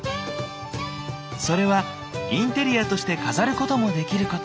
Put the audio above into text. それはインテリアとして飾ることもできること。